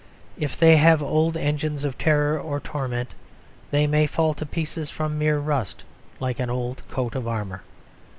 If they have old engines of terror or torment, they may fall to pieces from mere rust, like an old coat of armour.